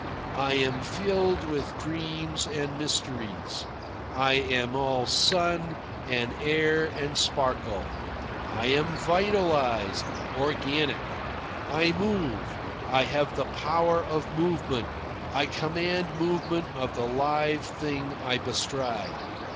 I am filled with dreams and mysteries. I am all sun and air and sparkle. I am vitalised, organic. I move, I have the power of movement, I command movement of the live thing I bestride.